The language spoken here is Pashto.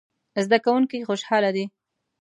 زده کوونکي خوشحاله دي